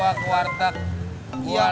sekarang lo hantar gue ke warteg